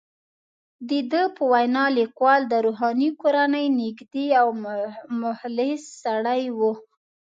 د ده په وینا، لیکوال د روښاني کورنۍ نږدې او مخلص سړی وو.